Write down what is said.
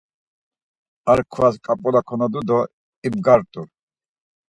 Ar kvas ǩap̌ula konodu do ibgart̆u.